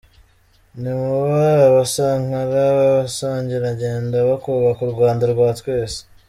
Nimube “Abasankara” b’abasangirangendo bo kubaka uRwanda rwa twese.